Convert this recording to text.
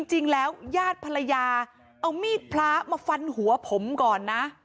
จริงแล้วยาดภรรยาเอามีดพลามาฟันหัวผมก่อนนะ